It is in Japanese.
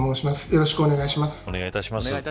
よろしくお願いします。